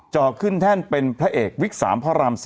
ขึ้นแท่นเป็นพระเอกวิก๓พระราม๔